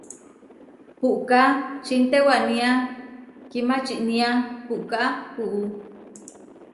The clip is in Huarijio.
Puʼka čintewania kimačinia, puʼká kuú.